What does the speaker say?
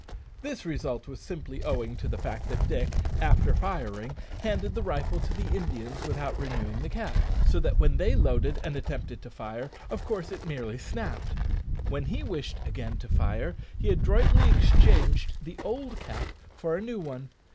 This result was simply owing to the fact that Dick, after firing, handed the rifle to the Indians without renewing the cap; so that when they loaded and attempted to fire, of course it merely snapped. When he wished again to fire, he adroitly exchanged the old cap for a new one.